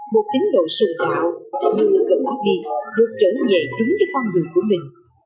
một tính đội sự đạo như cờ barbie được trở về chúng với con người của mình